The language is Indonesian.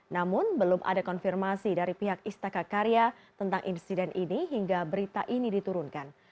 namun belum ada konfirmasi dari pihak istaka karya tentang insiden ini hingga berita ini diturunkan